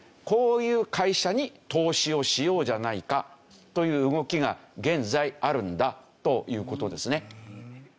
こういう会社に投資をしようじゃないかという動きが現在あるんだという事ですね。